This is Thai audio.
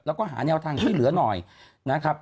แล้วก็หาแนวทางช่วยเหลือหน่อยนะครับ